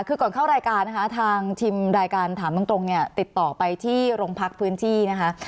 คือก่อนเข้ารายการนะคะทางทีมรายการถามตรงเนี่ยติดต่อไปที่โรงพักพื้นที่นะคะ